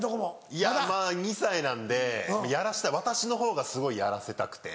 いやまぁ２歳なんでやらせたい私のほうがすごいやらせたくて。